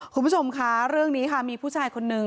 คุณผู้ชมคะเรื่องนี้ค่ะมีผู้ชายคนนึง